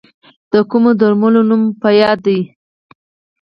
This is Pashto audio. د کومو درملو نوم مو په یاد دی؟